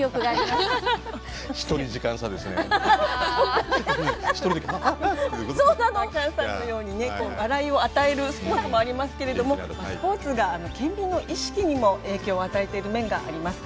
きゃんさんのようにね笑いを与えるスポーツもありますけれどもスポーツが県民の意識にも影響を与えている面があります。